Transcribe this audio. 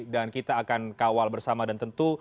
dan kita akan kawal bersama dan tentu